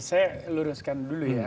saya luruskan dulu ya